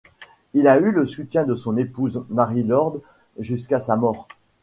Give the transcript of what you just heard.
Il a eu le soutien de son épouse Marie Lord jusqu'à sa mort.